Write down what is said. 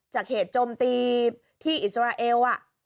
จากเหตุโจมตีที่อิสราเอล